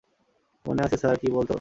মনে আছে স্যার কী বলতো?